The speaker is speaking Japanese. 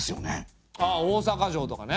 ああ大坂城とかね。